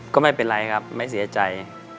ก็ไม่เป็นไรครับไม่เสียใจ